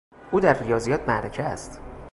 او در ریاضیات معرکه است.